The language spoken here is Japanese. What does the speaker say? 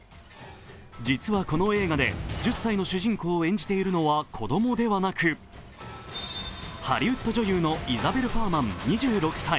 実はこの映画で１０歳の主人公を演じているのは子供ではなくハリウッド女優のイザベル・ファーマン２６歳。